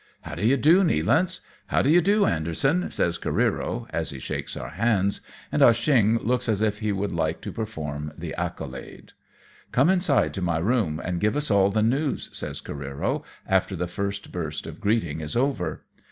" How do you do, Nealance ? How do you do, Anderson ?" says Careero, as he shakes our hands, and Ah Cheong looks as if he would like to perform the accolade. " Come inside to my room and give us all the news^" says CareerOj after the first burst of greeting is over.